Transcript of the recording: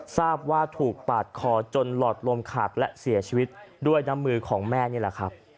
ทราบว่าถูกปาดคอจนหลอดลมขาดและเสียชีวิตด้วยน้ำมือของแม่นี่แหละครับ